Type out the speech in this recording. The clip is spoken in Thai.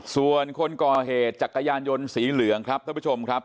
ส่วนคนก่อเหตุจักรยานยนต์สีเหลืองครับท่านผู้ชมครับ